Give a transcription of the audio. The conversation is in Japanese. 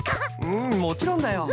うんもちろんだよ。